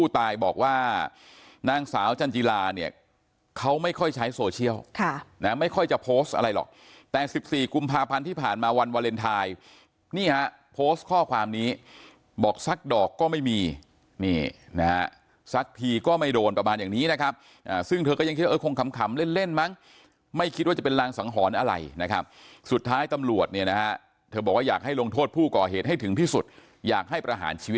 แต่สิบสี่กุมภาพันธ์ที่ผ่านมาวันวาเลนไทยนี่ฮะโพสต์ข้อความนี้บอกซักดอกก็ไม่มีนี่นะฮะซักทีก็ไม่โดนประมาณอย่างนี้นะครับอ่าซึ่งเธอก็ยังคิดว่าเอ้าคงขำเล่นมั้งไม่คิดว่าจะเป็นลางสังหรณ์อะไรนะครับสุดท้ายตำรวจเนี่ยนะฮะเธอบอกว่าอยากให้ลงโทษผู้ก่อเหตุให้ถึงพิสุทธิ์อยากให้